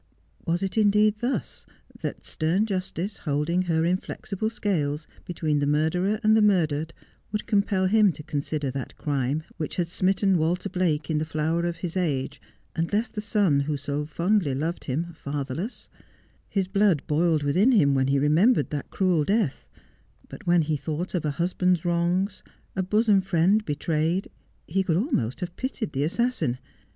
"Was it, indeed, thus that stern justice, holding her inflexible scales between the mur derer and the murdered, would compel him to consider that crime which had smitten Walter Blake in the flower of his age, and left the son, who so fondly loved him, fatherless 1 His blood boiled within him when he remembered that cruel death ■— but when he thought of a husband's wrongs, a bosom friend betrayed, he could almost have pitied the assassin.